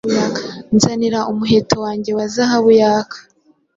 Nzanira umuheto wanjye wa zahabu yaka: